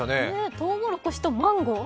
とうもろこしとマンゴー？